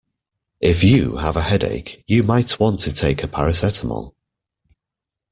If you have a headache you might want to take a paracetamol